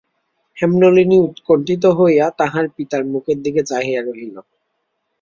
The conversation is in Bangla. হেমনলিনী উৎকণ্ঠিত হইয়া তাহার পিতার মুখের দিকে চাহিয়া রহিল।